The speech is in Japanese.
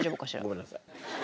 ごめんなさい。